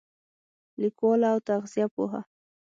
لیکواله او تغذیه پوهه